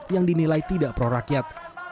yang dinilai tidak pro rakyat